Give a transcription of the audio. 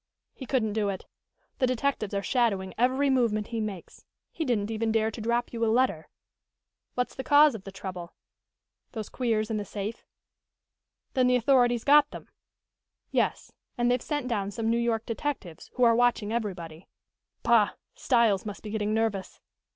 "He couldn't do it. The detectives are shadowing every movement he makes. He didn't even dare to drop you a letter." "What's the cause of the trouble?" "Those queers in the safe." "Then the authorities got them?" "Yes, and they've sent down some New York detectives, who are watching everybody." "Bah! Styles must be getting nervous."